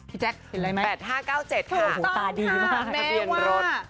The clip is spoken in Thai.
พี่แจ๊กเห็นอะไรไหม๘๕๙๗ค่ะถูกต้องค่ะโอ้โฮตาดีมาก